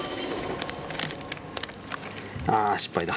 あ失敗だ。